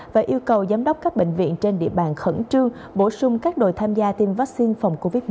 và yêu cầu giám đốc các bệnh viện trên địa bàn khẩn trương bổ sung các đội tham gia tiêm vaccine phòng covid một mươi chín